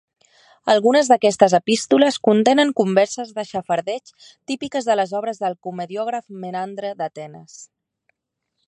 Algunes d'aquestes epístoles contenen converses de xafardeig típiques de les obres del comediògraf Menandre d'Atenes.